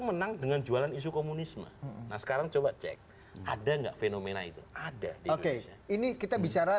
menang dengan jualan isu komunisme nah sekarang coba cek ada nggak fenomena itu ada oke ini kita